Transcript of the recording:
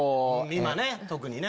今ね特にね。